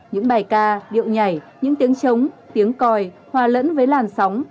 những bài ca điệu nhảy những tiếng trống tiếng coi hoa lẫn với làn sóng